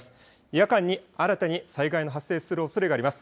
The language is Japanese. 夜間に新たに災害の発生するおそれがあります。